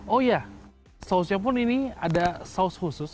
oh iya sausnya pun ini ada saus khusus